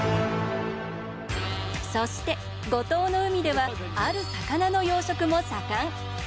そして、五島の海ではある魚の養殖も盛ん。